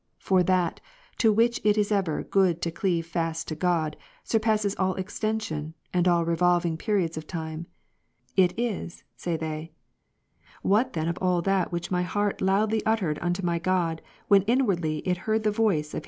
73, For that, to which it is ever good to cleave fast to God, surpasses all extension, and all revolving periods of time." " It is," say they. " What then of all that which my heart loudly uttered unto my God, when inwardly it heard the voice of Wi?